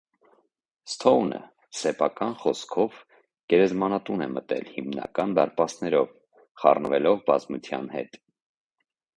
Սթոունը, սեփական խոսքով, գերեզմանատուն է մտել հիմնական դարպասներով՝ խառնվելով բազմության հետ։